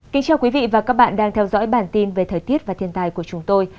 cảm ơn các bạn đã theo dõi và ủng hộ cho bản tin thời tiết và thiên tai của chúng tôi